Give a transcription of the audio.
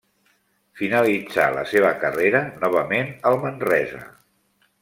Finalitzà la seva carrera novament al Manresa.